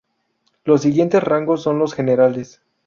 Los siguientes rangos son los generales.